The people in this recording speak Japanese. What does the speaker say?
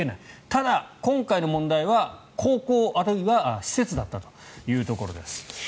ただ、今回の問題は高校あるいは施設だったということです。